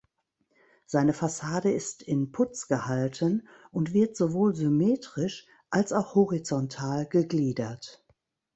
Seine Fassade ist in Putz gehalten und wird sowohl symmetrisch als auch horizontal gegliedert.